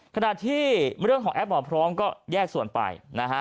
ขณะที่เรื่องของแอปหมอพร้อมก็แยกส่วนไปนะฮะ